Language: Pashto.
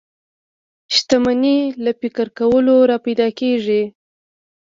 شتمني له فکر کولو را پيدا کېږي.